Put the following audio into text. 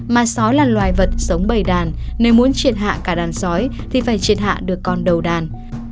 mà sói là loài vật sống bày đàn nếu muốn triệt hạ cả đàn sói thì phải triệt hạ được con đầu đàn